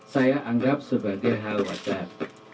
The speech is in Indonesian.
saya anggap sebagai hal wajar